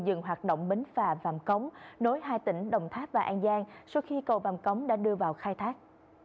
dừng hoạt động bến phà vàm cống nối hai tỉnh đồng tháp và an giang sau khi cầu vàm cống đã đưa vào khai thác